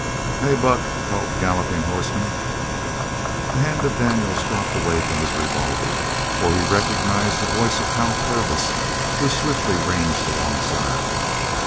"Hey, Buck!" called the galloping horseman. The hand of Daniels dropped away from his revolver, for he recognized the voice of Hal Purvis, who swiftly ranged alongside.